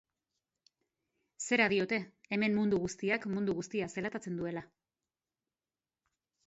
Zera diote, hemen mundu guztiak mundu guztia zelatatzen duela.